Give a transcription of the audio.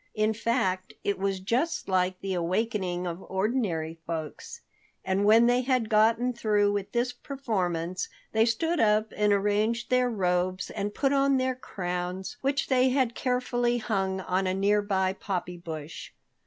In fact, it was just like the awakening of ordinary folks. And when they had gotten through with this performance, they stood up and arranged their robes and put on their crowns which they had carefully hung up on a nearby poppy bush.